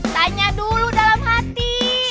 tanya dulu dalam hati